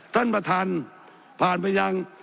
ท่านประธานผ่านไปยัง